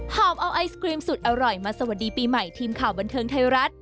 อบเอาไอศกรีมสุดอร่อยมาสวัสดีปีใหม่ทีมข่าวบันเทิงไทยรัฐ